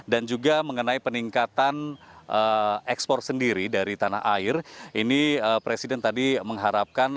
dan juga mengenai peningkatan ekspor sendiri dari tanah air ini presiden tadi mengharapkan